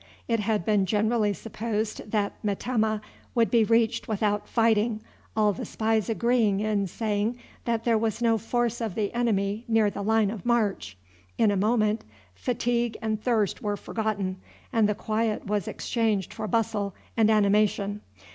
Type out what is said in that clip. It had been generally supposed that Metemmeh would be reached without fighting, all the spies agreeing in saying that there was no force of the enemy near the line of march. In a moment fatigue and thirst were forgotten, and the quiet was exchanged for bustle and animation.